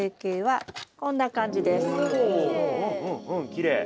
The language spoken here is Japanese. きれい！